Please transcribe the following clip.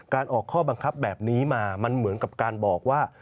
การออกข้อบังคับแบบนี้มามันเหมือนกับการบอกว่า